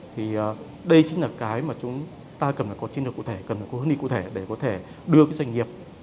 thì đây chính là cái mà chúng ta cần là có chiến lược cụ thể cần là có hướng đi cụ thể để có thể đưa các doanh nghiệp